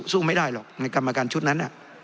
สู้ไม่ได้หรอกในกรรมการชุดนั้น